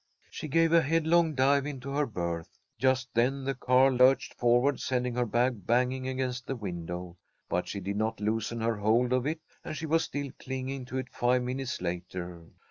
She gave a headlong dive into her berth. Just then the car lurched forward, sending her bag banging against the window, but she did not loosen her hold of it, and she was still clinging to it five minutes later.